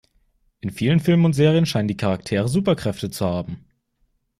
In vielen Filmen und Serien scheinen die Charaktere Superkräfte zu haben.